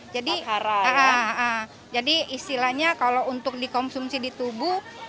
jadi istilahnya kalau untuk dikonsumsi di tubuh